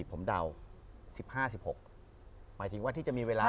หมายถึงว่าที่จะมีเวลาแล้ว